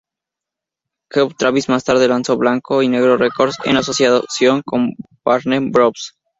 Geoff Travis más tarde lanzó Blanco y Negro Records en asociación con Warner Bros.